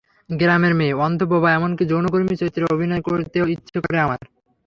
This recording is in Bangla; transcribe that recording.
গ্রামের মেয়ে, অন্ধ, বোবা, এমনকি যৌনকর্মী চরিত্রে অভিনয় করতেও ইচ্ছে করে আমার।